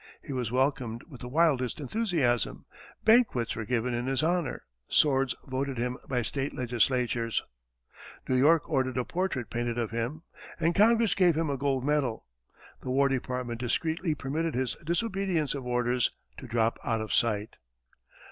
He was welcomed with the wildest enthusiasm, banquets were given in his honor, swords voted him by state legislatures, New York ordered a portrait painted of him, and Congress gave him a gold medal. The War Department discreetly permitted his disobedience of orders to drop out of sight.